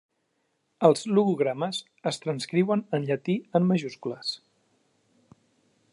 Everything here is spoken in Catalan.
Els logogrames es transcriuen en llatí en majúscules.